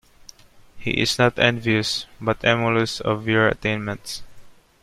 He is not envious, but emulous of your attainments.